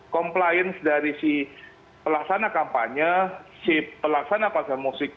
komplians dari si pelaksana kampanye si pelaksana konser musik